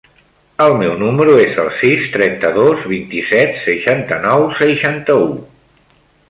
El meu número es el sis, trenta-dos, vint-i-set, seixanta-nou, seixanta-u.